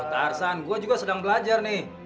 tarzan gua juga sedang belajar nih